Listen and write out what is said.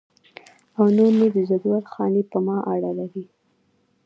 او نور نو د جندول خاني په ما اړه لري.